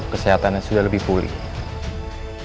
kesehatannya sudah lebih pulih